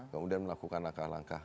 kemudian melakukan langkah langkah